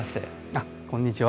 あっこんにちは。